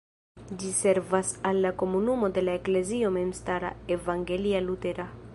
Ĝi servas al la komunumo de la Eklezio memstara evangelia-lutera.